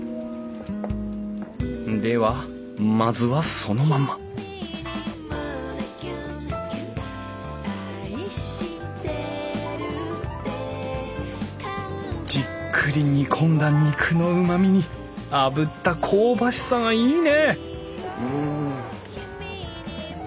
ではまずはそのままじっくり煮込んだ肉のうまみにあぶった香ばしさがいいね！